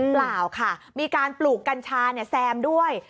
เปล่าค่ะมีการปลูกกัญชาแซมด้วย